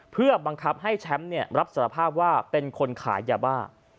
เพื่อบังคับให้แชมป์รับสารภาพว่าเป็นคนขายยาบ้า